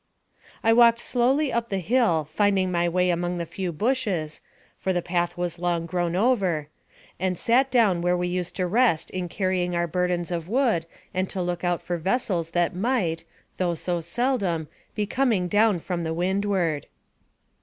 I walked slowly up the hill, finding my way among the few bushes, for the path was long grown over, and sat down where we used to rest in carrying our burdens of wood, and to look out for vessels that might, though so seldom, be coming down from the windward.